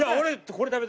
これ？